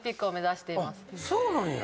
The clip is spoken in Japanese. そうなんや。